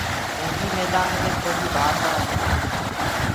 جنگي ميدآنو دي ڦوجي ڀآگ ڪونآ سگي